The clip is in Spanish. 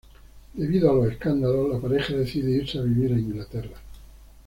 Debido a los escándalos, la pareja decide irse a vivir a Inglaterra.